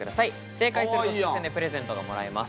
正解すると抽選でプレゼントがもらえます。